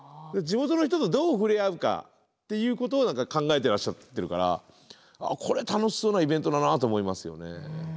地元の人とどう触れ合うかということを考えてらっしゃってるからこれは楽しそうなイベントだなあと思いますよね。